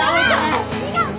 違う！